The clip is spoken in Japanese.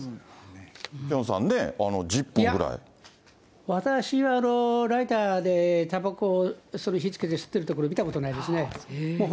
ピョンさんね、私はライターでたばこ、火つけて吸ってるところ見たことないですね。